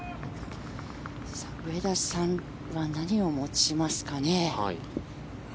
上田さんは何を持ちますかね？